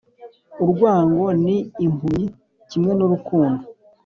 urwango ni impumyi, kimwe n'urukundo.